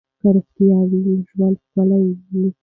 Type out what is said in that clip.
که روغتیا وي نو ژوند ښکلی وي.